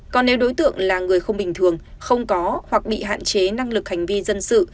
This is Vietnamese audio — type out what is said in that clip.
còn nếu đối tượng là người không bình thường không có hoặc bị hạn chế năng lực hành vi dân sự